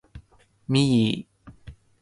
ミギー